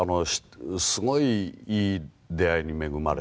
すごいいい出会いに恵まれた。